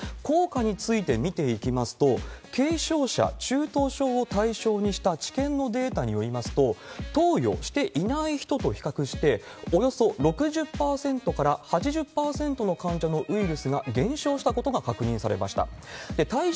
効果について見ていきますと、軽症者、中等症を対象にした治験のデータによりますと、投与していない人と比較して、およそ６０％から８０％の患者のウイルスが減少したことが確認されました。